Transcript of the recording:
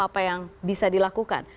apa yang bisa dilakukan